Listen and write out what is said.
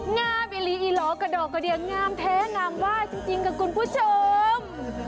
งามอิลีอีหลอกระดอกกระเดียงงามแท้งามว่าจริงค่ะคุณผู้ชม